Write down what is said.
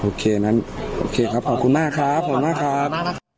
โอเคนั้นโอเคครับขอบคุณมากครับขอบคุณมากครับ